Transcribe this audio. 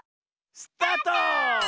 スタート！